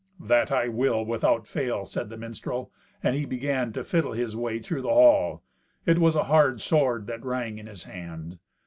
"That will I, without fail," said the minstrel; and he began to fiddle his way through the hall; it was a hard sword that rang in his hand.